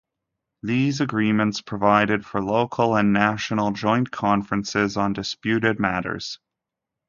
These agreements provided for local and national joint conferences on disputed matters.